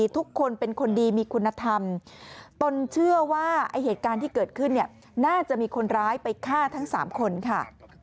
ตนเชื่อว่าเหตุการณ์ที่เกิดขึ้นน่าจะมีคนร้ายไปฆ่าทั้ง๓คนค่ะ